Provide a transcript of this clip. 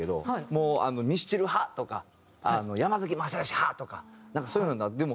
もうミスチル派！とか山崎まさよし派！とかなんかそういうので。